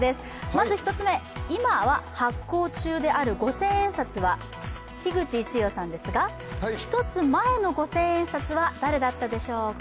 まず１つ目、今は発行中である五千円札は樋口一葉さんですが、１つ前の五千円札は誰だったでしょうか？